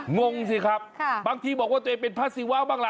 งงสิครับบางทีบอกว่าตัวเองเป็นพระศิวะบ้างล่ะ